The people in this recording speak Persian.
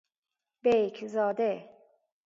بیک زاده